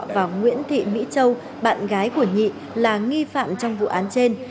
và nguyễn thị mỹ châu bạn gái của nhị là nghi phạm trong vụ án trên